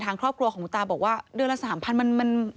ทางครอบครัวของคุณตาบอกว่าเดือนละ๓๐๐มัน